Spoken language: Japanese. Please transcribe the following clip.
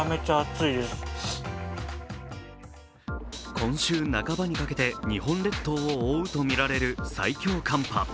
今週半ばにかけて日本列島を覆うとみられる最強寒波。